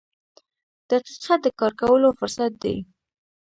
• دقیقه د کار کولو فرصت دی.